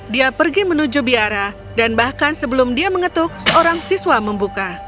dia pergi menuju biara dan bahkan sebelum dia mengetuk seorang siswa membuka